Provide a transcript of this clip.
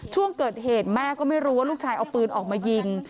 ช่วงเกิดเหตุแม่ก็ไม่รู้ว่าลูกชายเอาปืนออกมายิง